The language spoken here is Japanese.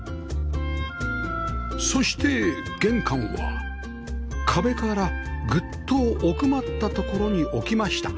そして玄関は壁からグッと奥まったところに置きました